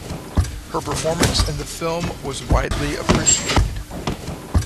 Her performance in the film was widely appreciated.